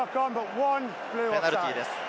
ペナルティーです。